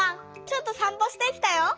ちょっとさんぽしてきたよ。